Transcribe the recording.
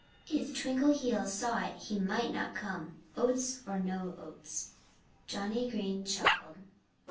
"If Twinkleheels saw it he might not come oats or no oats." Johnnie Green chuckled.